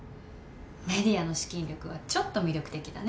ＭＥＤＩＡの資金力はちょっと魅力的だね。